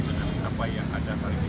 dengan apa yang ada hari ini